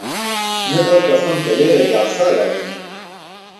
من ئەو کەسەم کە لێرە یاسا دادەنێم.